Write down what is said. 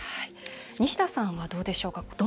西田さんはどうでしょうか？